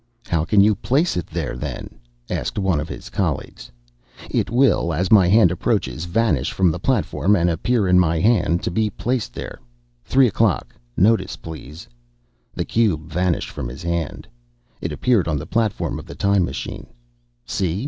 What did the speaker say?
"How can you place it there, then?" asked one of his colleagues. "It will, as my hand approaches, vanish from the platform and appear in my hand to be placed there. Three o'clock. Notice, please." The cube vanished from his hand. It appeared on the platform of the time machine. "See?